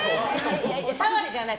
お触りじゃない。